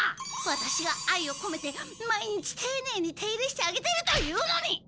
ワタシが愛をこめて毎日ていねいに手入れしてあげてるというのに！